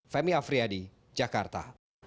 femi afriyadi jakarta